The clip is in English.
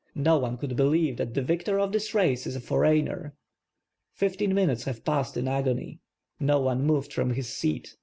No one could be lieve that the victor of this race is a foreigner. Fifteen minutes have passed in agon,v. No one moved from his seat.